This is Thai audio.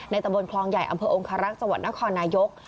ตะบนคลองใหญ่อำเภอองคารักษ์จังหวัดนครนายก